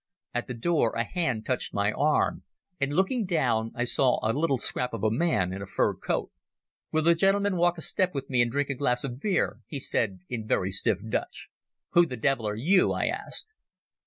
At the door a hand touched my arm, and, looking down, I saw a little scrap of a man in a fur coat. "Will the gentlemen walk a step with me and drink a glass of beer?" he said in very stiff Dutch. "Who the devil are you?" I asked.